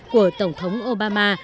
của tổng thống obama